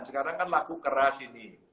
sekarang kan laku keras ini